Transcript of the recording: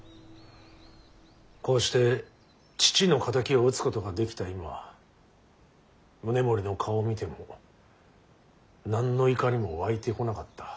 こうして父の敵を討つことができた今宗盛の顔を見ても何の怒りも湧いてこなかった。